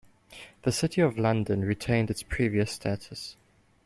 The City of London retained its previous status.